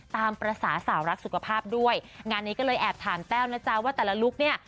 ตามภาษาสาวรักสุขภาพด้วยงานนี้ก็เลยแอบถามแต้วนะจ๊ะว่าแต่ละลุคเนี่ย